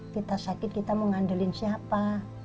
kita sakit kita mau ngandelin siapa